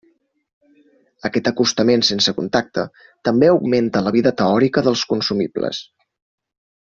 Aquest acostament sense contacte també augmenta la vida teòrica dels consumibles.